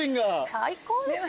最高ですね。